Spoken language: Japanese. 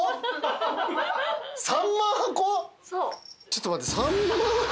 ちょっと待って３万箱？